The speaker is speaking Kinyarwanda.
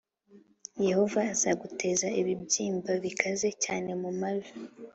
Yehova azaguteza ibibyimba bikaze cyane mu mavi